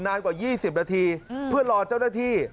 นานกว่า๒๐นาทีเพื่อรอเจ้าหน้าที่